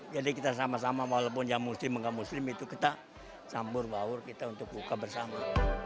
jadi kita sama sama walaupun yang muslim bukan muslim itu kita sambur baur kita untuk buka bersama